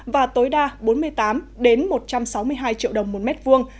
và tối đa bốn mươi tám một trăm sáu mươi hai triệu đồng một mét vuông